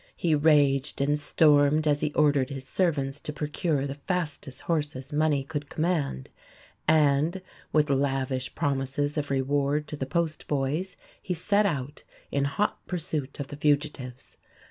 He raged and stormed as he ordered his servants to procure the fastest horses money could command; and with lavish promises of reward to the postboys he set out in hot pursuit of the fugitives.